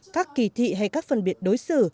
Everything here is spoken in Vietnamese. các kỳ thị hay các phân biệt đối xử